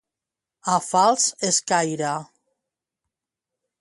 A fals escaire.